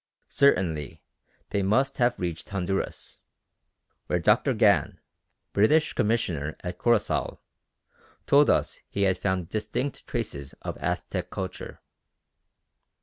Certainty they must have reached Honduras, where Dr. Gann, British Commissioner at Corosal, told us he had found distinct traces of Aztec culture.